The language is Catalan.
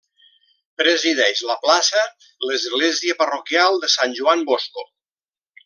Presideix la plaça l'església parroquial de Sant Joan Bosco.